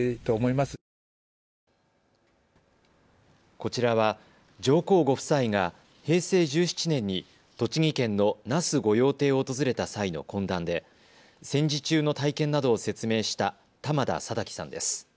こちらは上皇ご夫妻が平成１７年に栃木県の那須御用邸を訪れた際の懇談で、戦時中の体験などを説明した玉田貞喜さんです。